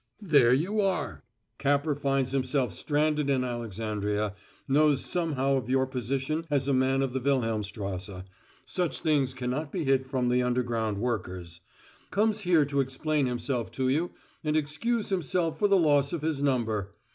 "There you are! Capper finds himself stranded in Alexandria, knows somehow of your position as a man of the Wilhelmstrasse such things can not be hid from the underground workers; comes here to explain himself to you and excuse himself for the loss of his number.